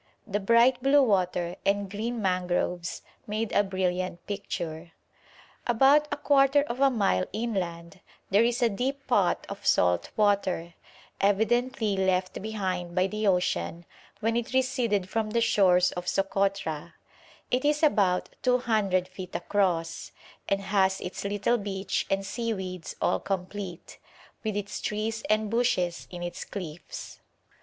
The bright blue water and green mangroves made a brilliant picture. About a quarter of a mile inland there is a deep pot of salt water, evidently left behind by the ocean when it receded from the shores of Sokotra; it is about 200 feet across, and has its little beach and seaweeds all complete, with its trees and bushes in its cliffs.